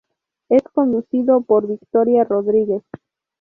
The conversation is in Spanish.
Es conducido por Victoria Rodríguez.